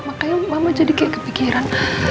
makanya mama jadi kayak kepikiran